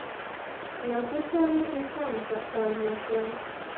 له ده سره دې هم که اړمه کړه.